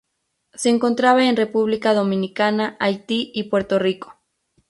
Se encontraba en República Dominicana Haití y Puerto Rico.